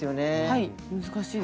はい難しいですね。